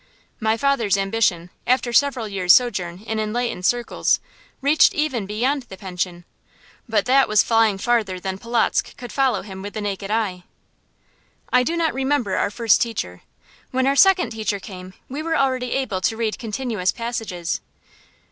My father's ambition, after several years' sojourn in enlightened circles, reached even beyond the pension; but that was flying farther than Polotzk could follow him with the naked eye. I do not remember our first teacher. When our second teacher came we were already able to read continuous passages.